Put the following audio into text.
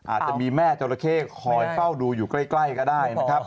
อาจจะมีแม่จราเข้คอยเฝ้าดูอยู่ใกล้ก็ได้นะครับ